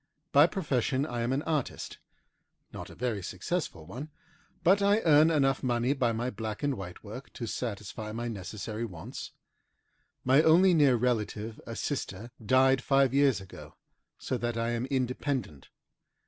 By profession I am an artist, not a very successful one, but I earn enough money by my black and white work to satisfy my necessary wants. My only near relative, a sister, died five years ago, so that I am independent.